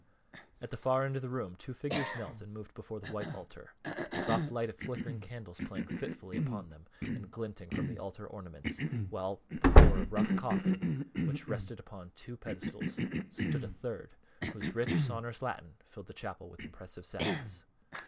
At the farther end of the room two figures knelt and moved before the white altar, the soft light of flickering candles playing fitfully upon them and glinting from the altar ornaments, while before a rough coffin, which rested upon two pedestals, stood a third, whose rich, sonorous Latin filled the chapel with impressive sadness.